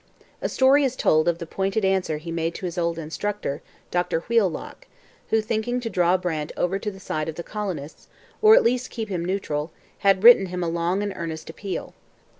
A story is told of the pointed answer he made to his old instructor, Dr Wheelock, who, thinking to draw Brant over to the side of the colonists, or at least to keep him neutral, had written him a long and earnest appeal.